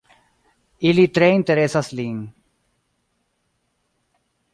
Ili tre interesas lin.